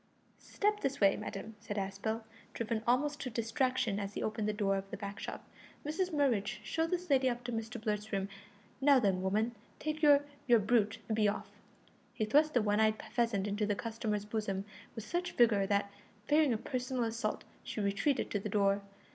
"Step this way, madam," said Aspel, driven almost to distraction as he opened the door of the back shop. "Mrs Murridge, show this lady up to Mr Blurt's room. Now then, woman, take your your brute, and be off." He thrust the one eyed pheasant into the customer's bosom with such vigour that, fearing a personal assault, she retreated to the door.